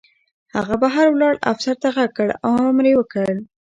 هغه بهر ولاړ افسر ته غږ کړ او امر یې وکړ